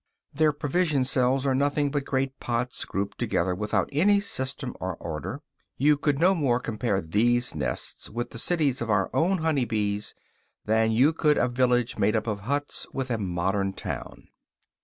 Their provision cells are nothing but great pots, grouped together without any system or order. You could no more compare these nests with the cities of our own honey bees than you could a village made up of huts with a modern town.